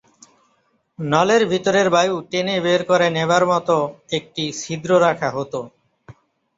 নলের ভিতরের বায়ু টেনে বের করে নেবার মত একটি ছিদ্র রাখা হত।